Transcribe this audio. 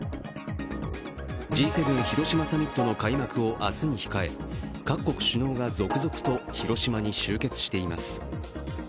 Ｇ７広島サミットの開幕を明日に控え各国首脳が続々と広島に集結しています。